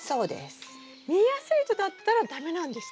見えやすい糸だったら駄目なんですか？